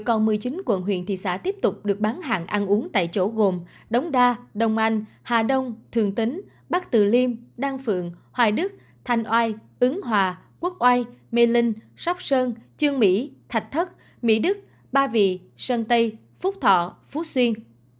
còn một mươi chín quận huyện thị xã tiếp tục được bán hàng ăn uống tại chỗ gồm đống đa đông anh hà đông thường tính bắc từ liêm đan phượng hoài đức thanh oai ứng hòa quốc oai mê linh sóc sơn mỹ thạch thất mỹ đức ba vị sơn tây phúc thọ phú xuyên